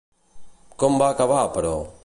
Com va acabar, però?